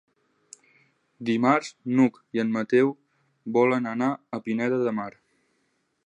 Dimarts n'Hug i en Mateu volen anar a Pineda de Mar.